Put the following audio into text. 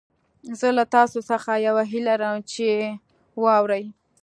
زه له تاسو څخه يوه هيله لرم چې يې واورئ.